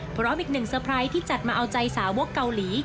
พร้อมอีกหนึ่งเซอร์ไพรส์ที่จัดมาเอาใจสาวกเกาหลี